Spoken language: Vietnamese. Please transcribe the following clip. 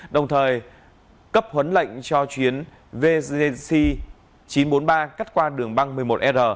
đồng thời cấp huấn lệnh cho chuyến vgc chín trăm bốn mươi ba cắt qua đường băng một mươi một r